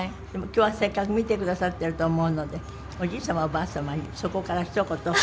今日はせっかく見てくださってると思うのでおじい様おばあ様にそこからひと言